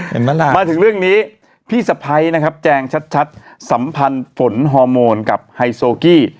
เห็นไหมล่ะมาถึงเรื่องนี้พี่สะพ้ายนะครับแจงชัดสัมพันธ์ฝนฮอร์โมนกับไฮโซกี้